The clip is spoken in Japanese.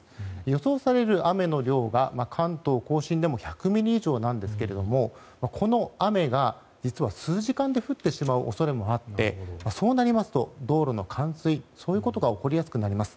予想される雨の量が関東・甲信でも１００ミリ以上なんですがこの雨が、実は数時間で降ってしまう恐れもあってそうなりますと、道路の冠水が起こりやすくなります。